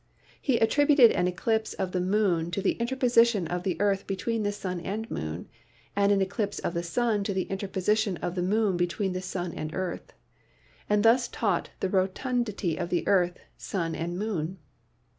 He at tributed an eclipse of the moon to the interposition of the earth between the sun and moon, and an eclipse of the sun to the interposition of the moon between the sun and earth, and thus taught the rotundity of the earth, sun and moon.